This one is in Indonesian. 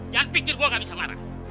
jangan pikir gua gabisa marah